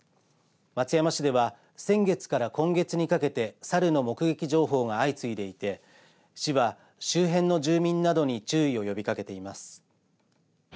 松山市は先月から今月にかけてサルの目撃情報が相次いでいて市は周辺の住民などに注意を呼びかけています。